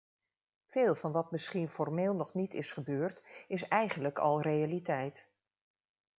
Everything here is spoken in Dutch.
Veel van wat misschien formeel nog niet is gebeurd, is eigenlijk al realiteit.